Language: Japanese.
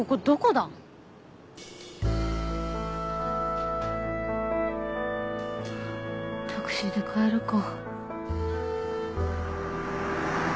はぁタクシーで帰るか。